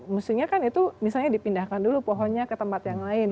mestinya kan itu misalnya dipindahkan dulu pohonnya ke tempat yang lain